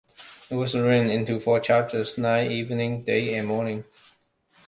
It was written into four chapters: Night, Evening, Day and Morning.